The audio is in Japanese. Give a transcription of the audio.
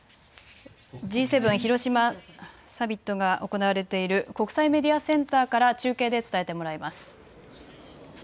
Ｇ７広島サミットが行われている国際メディアセンターから中継で伝えてもらいます。